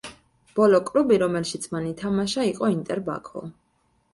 ბოლო კლუბი, რომელშიც მან ითამაშა, იყო ინტერ ბაქო.